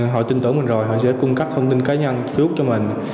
họ tin tưởng mình rồi họ sẽ cung cấp thông tin cá nhân trước cho mình